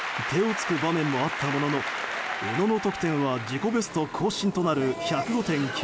手をつく場面もあったものの宇野の得点は自己ベスト更新となる１０５．９０。